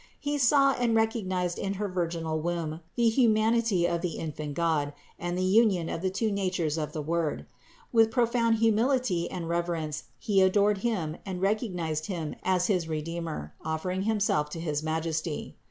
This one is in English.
He saw and recognized in her virginal womb the humanity of the infant God and the union of the two natures of the Word. With pro found humility and reverence he adored Him and recog nized Him as his Redeemer, offering himself to his Majesty.